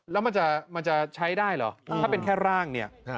แล้วมันจะใช้ได้เหรอถ้าเป็นแค่ร่างเนี่ย